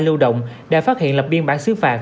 lưu động đã phát hiện lập biên bản xứ phạt